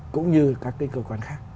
cũng như các cái cơ quan khác